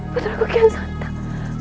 putra aku kian santan